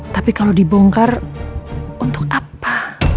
tapi kalau dibongkar untuk apa